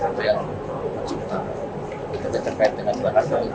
itu yang terkait dengan pelakatan